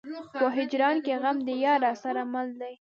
په هجران کې غم د يار راسره مل دی.